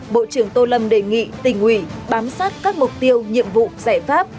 bộ trưởng tô lâm đề nghị tỉnh ủy bám sát các mục tiêu nhiệm vụ giải pháp